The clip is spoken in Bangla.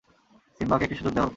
সিম্বাকে একটি সুযোগ দেওয়া হোক!